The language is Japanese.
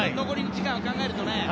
残り時間を考えるとね。